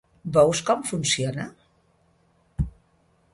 Veus com funciona?